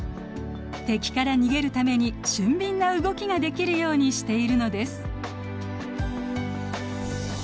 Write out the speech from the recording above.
敵から逃げるために俊敏な動きができるようにしているのです。